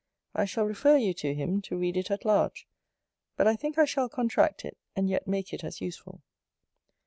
I shall refer you to him, to read it at large: but I think I shall contract it, and yet make it as useful.